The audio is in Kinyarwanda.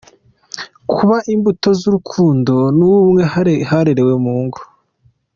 Kubiba imbuto z’urukundo n’ubumwe haherewe mu ngo.